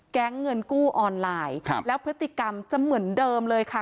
แก๊งเงินกู้ออนไลน์ครับแล้วพฤติกรรมจะเหมือนเดิมเลยค่ะ